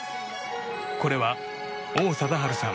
これは王貞治さん